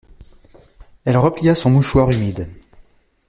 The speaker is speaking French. Elle replia son mouchoir humide.